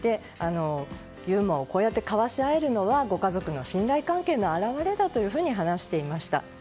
ユーモアを交し合えるのはご家族の信頼関係の表れだと話していました。